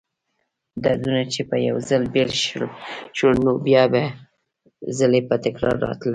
دردونه چې به یو ځل پیل شول، نو بیا بیا ځلې به تکراراً راتلل.